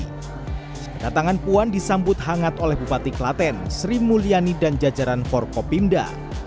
kedatangan puan disambut hangat oleh bupati klaten sri mulyani dan jajaran forkopimda